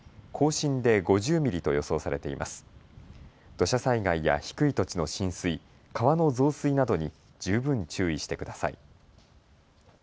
土砂災害や低い土地の浸水、川の増水などに十分注意してください。